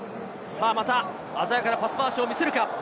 また鮮やかなパス回しを見せるか。